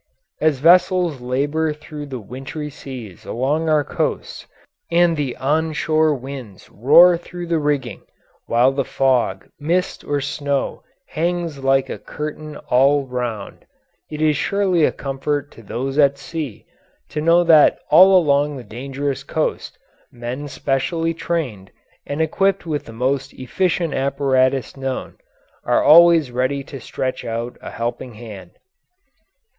As vessels labour through the wintry seas along our coasts, and the on shore winds roar through the rigging, while the fog, mist or snow hangs like a curtain all around, it is surely a comfort to those at sea to know that all along the dangerous coast men specially trained, and equipped with the most efficient apparatus known, are always ready to stretch out a helping hand.